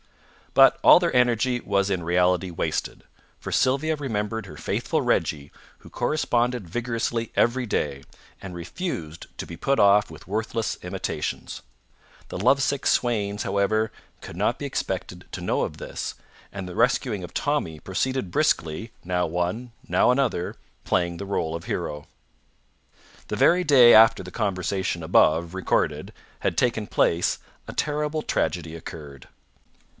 But all their energy was in reality wasted, for Sylvia remembered her faithful Reggie, who corresponded vigorously every day, and refused to be put off with worthless imitations. The lovesick swains, however, could not be expected to know of this, and the rescuing of Tommy proceeded briskly, now one, now another, playing the rôle of hero. The very day after the conversation above recorded had taken place a terrible tragedy occurred.